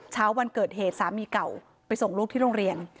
เช้าวันเกิดเหตุสามีเก่าไปส่งลูกที่โรงเรียน